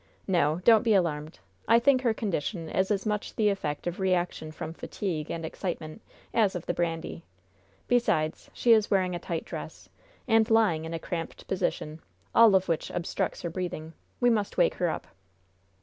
"No; don't be alarmed. I think her condition is as much the effect of reaction from fatigue and excitement as of the brandy. Besides, she is wearing a tight dress, and lying in a cramped position, all of which obstructs her breathing. We must wake her up."